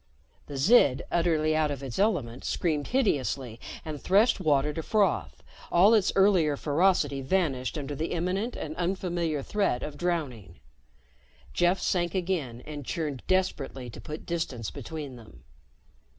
The Zid, utterly out of its element, screamed hideously and threshed water to froth, all its earlier ferocity vanished under the imminent and unfamiliar threat of drowning. Jeff sank again and churned desperately to put distance between them.